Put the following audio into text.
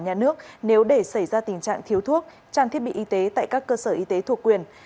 nhà nước nếu để xảy ra tình trạng thiếu thuốc trang thiết bị y tế tại các cơ sở y tế thuộc quyền